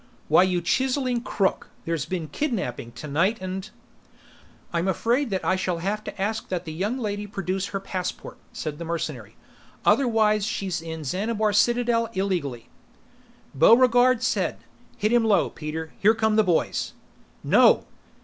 "Why you chiseling crook, there's been kidnaping tonight, and " "I'm afraid that I shall have to ask that the young lady produce her passport," said the mercenary. "Otherwise she's in Xanabar Citadel illegally." Buregarde said, "Hit him low, Peter. Here come the boys." "No!"